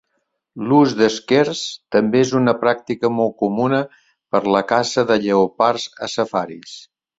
L'ús d'esquers també és una pràctica molt comuna per la caça de lleopards a safaris.